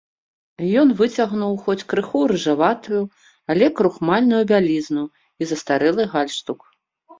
Ён выцягнуў хоць крыху рыжаватую, але крухмаленую бялізну і застарэлы гальштук.